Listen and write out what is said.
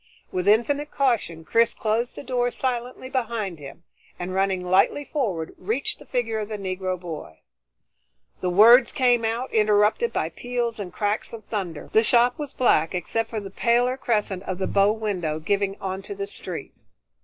With infinite caution Chris closed the door silently behind him, and running lightly forward, reached the figure of the Negro boy. The words came out, interrupted by peals and cracks of thunder. The shop was black except for the paler crescent of the bow window giving onto the street.